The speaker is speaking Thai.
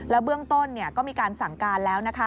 แล้วเบื้องต้นเนี่ยก็มีการสั่งการแล้วนะคะ